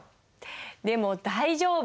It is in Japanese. でも大丈夫。